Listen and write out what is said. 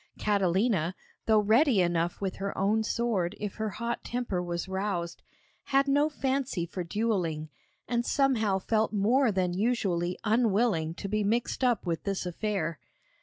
Catalina, though ready enough with her own sword if her hot temper was roused, had no fancy for duelling, and somehow felt more than usually unwilling to be mixed up with this affair.